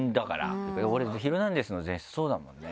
俺『ヒルナンデス！』の前室そうだもんね。